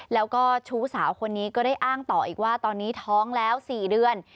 แล้วก็ชู้สาวคนนี้ก็ได้อ้างต่ออีกว่าตอนนี้ท้องแล้ว๔เดือน